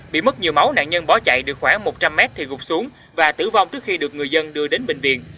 bị mất nhiều máu nạn nhân bỏ chạy được khoảng một trăm linh mét thì gục xuống và tử vong trước khi được người dân đưa đến bệnh viện